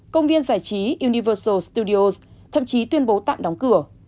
công viên giải trí universal studios thậm chí tuyên bố tạm đóng cửa